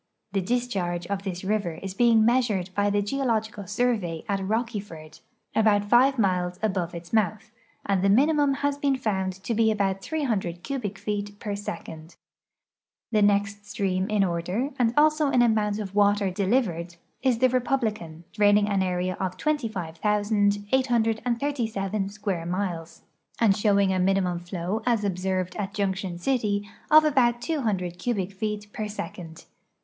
The discharge of this river is being measured by the Geological Survey at Rocky ford, about five miles above its mouth, and the minimum has been found to be about 300 cubic feet per second. The next stream in order, and also in amount of water deliv ered, is the Republican, draining an area of 25,837 square miles, and showing a minimum flow, as observed at Junction City, of about 200 cubic feet per second.